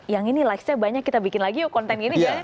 yang ini likesnya banyak kita bikin lagi yuk konten ini ya